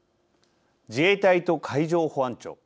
自衛隊と海上保安庁。